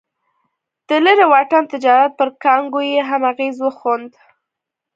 د لرې واټن تجارت پر کانګو یې هم اغېز وښند.